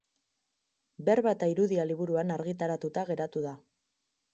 Berba eta irudia liburuan argitaratuta geratu da.